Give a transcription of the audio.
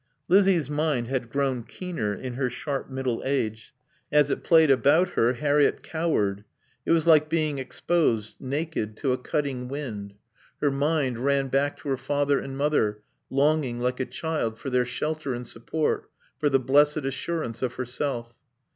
Lizzie's mind had grown keener in her sharp middle age. As it played about her, Harriett cowered; it was like being exposed, naked, to a cutting wind. Her mind ran back to her father and mother, longing, like a child, for their shelter and support, for the blessed assurance of herself.